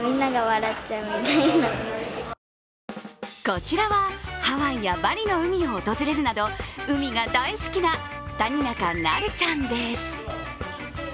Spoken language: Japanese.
こちらは、ハワイやバリの海を訪れるなど海が大好きな谷中渚瑠ちゃんです。